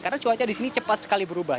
karena cuaca di sini cepat sekali berubah